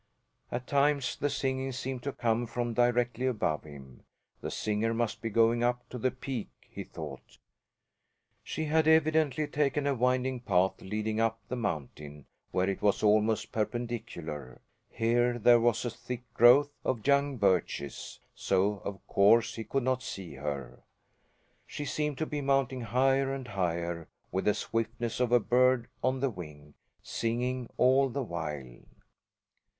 At times the singing seemed to come from directly above him. The singer must be going up to the peak, he thought. She had evidently taken a winding path leading up the mountain, where it was almost perpendicular. Here there was a thick growth of young birches; so of course he could not see her. She seemed to be mounting higher and higher, with the swiftness of a bird on the wing, singing all the while.